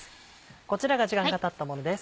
こちらが時間がたったものです。